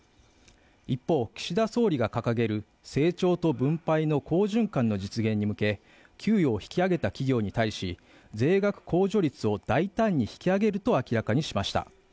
一方、岸田総理が掲げる成長と分配の好循環の実現に向け、給与を引き上げた企業に対し、税額控除率を大胆に引き上げると明らかにしました。